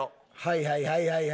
はいはいはいはい。